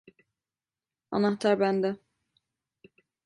Anahtar bende.